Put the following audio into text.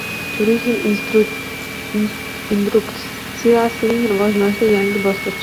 Turizm industriyasining rivojlanishida yangi bosqich